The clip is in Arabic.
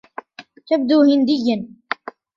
تبدو هنديا.